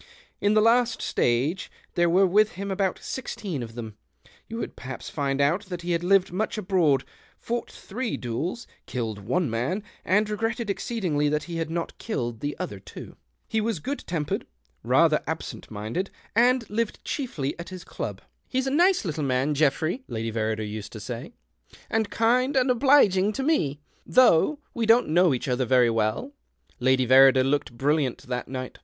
In the last stao;e — there were with him about sixteen of them — you would perhaps find out that he had lived much abroad, fought three duels, killed one man, and regretted exceedingly that he had not killed the other two. He was good tempered, rather absent minded, and lived chiefly at his club. " He's a nice little THE OCTAVE OF CLAUDIUS. 159 nan, Geoffrey," Lady Verrider used to say, ' and kind and obliging to me, though we lon't know each other very well." Lady ^^errider looked brilliant that night.